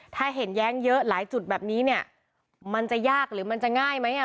ถ้าเห็นแย้งเยอะหลายจุดแบบนี้เนี่ยมันจะยากหรือมันจะง่ายไหมอ่ะ